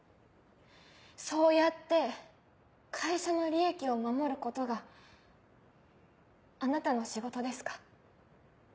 そうやって会社の利益を守ることがあなたの仕事ですか？